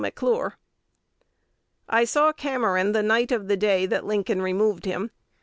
McClure: "I saw Cameron the night of the day that Lincoln removed him.